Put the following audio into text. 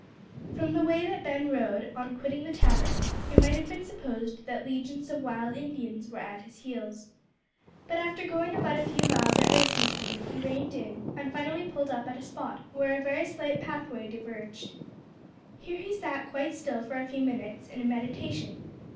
From the way that Ben rode, on quitting the tavern, it might have been supposed that legions of wild Indians were at his heels. But after going about a few miles at racing speed he reined in, and finally pulled up at a spot where a very slight pathway diverged. Here he sat quite still for a few minutes in meditation.